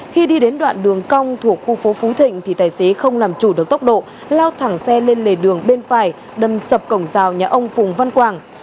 khi đi đến đoạn đường cong thuộc khu phố phú thịnh thì tài xế không làm chủ được tốc độ lao thẳng xe lên lề đường bên phải đâm sập cổng rào nhà ông phùng văn quảng